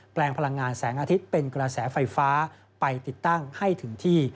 แปลงพลังงานแสงอาทิตย์เป็นกระแสไฟฟ้าไปติดตั้งให้ถึงที่